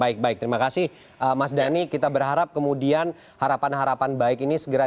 baik baik terima kasih mas dhani kita berharap kemudian harapan harapan baik ini segera